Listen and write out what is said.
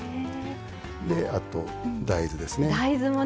あと、大豆ですね。